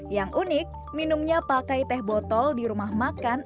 yang unik minumnya pakai teh botol di rumah makan